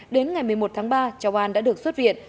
đến ngày một mươi một tháng ba cháu an đã được xuất viện